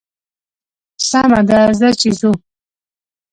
سمه ده ځه چې ځو.